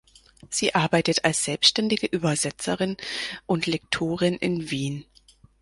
Sie arbeitet als selbstständige Übersetzerin und Lektorin in Wien.